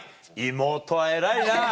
妹は偉いな。